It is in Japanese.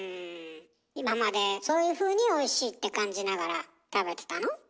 今までそういうふうにおいしいって感じながら食べてたの？